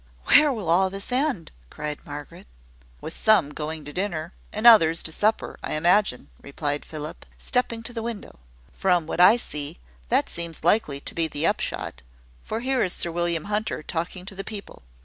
"Where will all this end?" cried Margaret. "With some going to dinner, and others to supper, I imagine," replied Philip, stepping to the window. "From what I see, that seems likely to be the upshot; for here is Sir William Hunter talking to the people.